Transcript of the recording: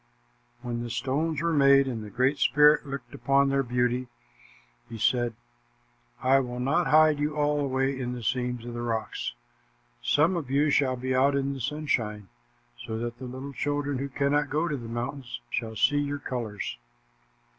When the stones were made and the Great Spirit looked upon their beauty, he said, "I will not hide you all away in the seams of the rocks. Some of you shall be out in the sunshine, so that the little children who cannot go to the mountains shall see your colors."